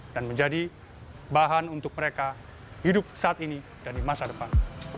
dan menjadi bahan untuk mereka hidup saat ini dan di masa depan